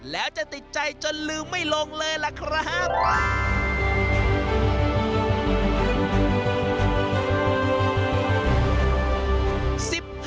แล้วจะติดใจจนลืมไม่ลงเลยล่ะครับ